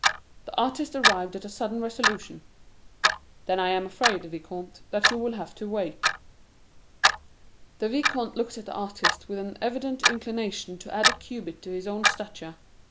The artist arrived at a sudden resolution. "Then I am afraid, Vicomte, that you will have to wait." The Vicomte looked at the artist with an evident inclination to add a cubit to his own stature.